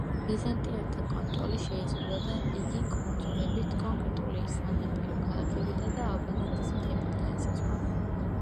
ბიზანტიელთა კონტროლი შეიზღუდა და იგი კუნძულებით, კონკრეტული სანაპირო ქალაქებითა და ალბანეთის მთებით განისაზღვრა.